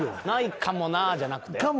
「ないかもな」じゃなくて？